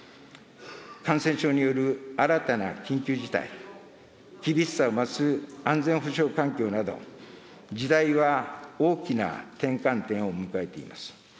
感染症による新たな緊急事態、厳しさを増す安全保障環境など、時代は大きな転換点を迎えています。